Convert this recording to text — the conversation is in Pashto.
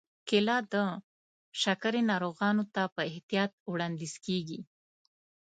کېله د شکرې ناروغانو ته په احتیاط وړاندیز کېږي.